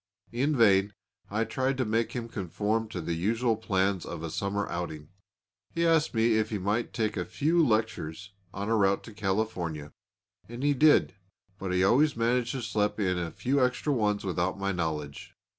In vain I tried to make him conform to the usual plans of a summer outing. He asked me if he might take a "few lectures" on our route to California, and he did, but he always managed to slip in a few extra ones without my knowledge.